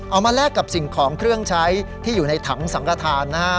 แลกกับสิ่งของเครื่องใช้ที่อยู่ในถังสังกฐานนะฮะ